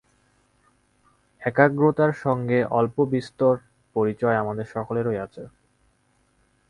একাগ্রতার সঙ্গে অল্পবিস্তর পরিচয় আমাদের সকলেরই আছে।